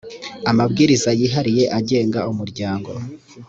amabwiriza yihariye agenga umuryango